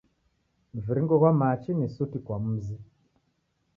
Mviringo ghwa machi ni suti kwa mzi.